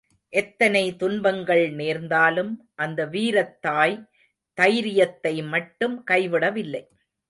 எத்தனை துன்பங்கள் நேர்ந்தாலும், அந்த வீரத் தாய் தைரியத்தை மட்டும் கைவிடவில்லை.